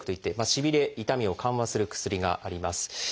しびれ・痛みを緩和する薬があります。